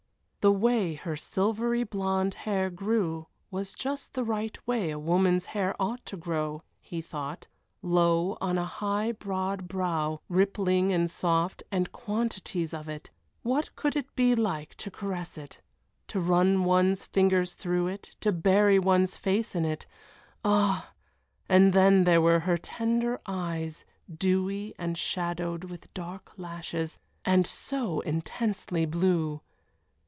The way her silvery blond hair grew was just the right way a woman's hair ought to grow, he thought; low on a high, broad brow, rippling and soft, and quantities of it. What could it be like to caress it, to run one's fingers through it, to bury one's face in it? Ah! and then there were her tender eyes, dewy and shadowed with dark lashes, and so intensely blue.